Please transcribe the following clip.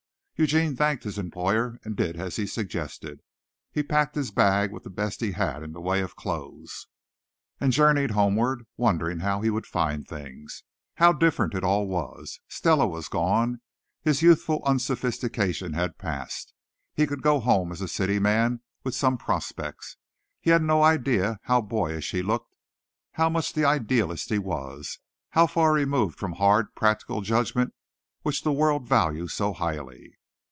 Eugene thanked his employer and did as suggested. He packed his bag with the best he had in the way of clothes, and journeyed homeward, wondering how he would find things. How different it all was! Stella was gone. His youthful unsophistication had passed. He could go home as a city man with some prospects. He had no idea of how boyish he looked how much the idealist he was how far removed from hard, practical judgment which the world values so highly.